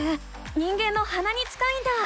人間のはなに近いんだ！